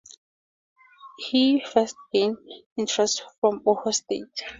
He first gained interest from Ohio State.